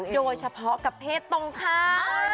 โดยเฉพาะกับเพศตรงค้า